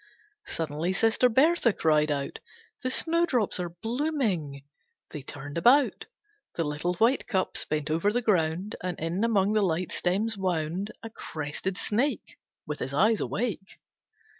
Suddenly Sister Berthe cried out: "The snowdrops are blooming!" They turned about. The little white cups bent over the ground, And in among the light stems wound A crested snake, With his eyes awake.